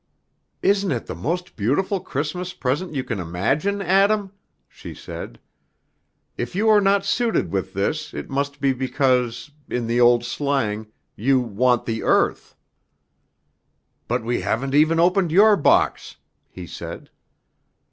"Isn't it the most beautiful Christmas present you can imagine, Adam?" she said. "If you are not suited with this it must be because, in the old slang, you 'want the earth.'" "But we haven't even opened your box," he said.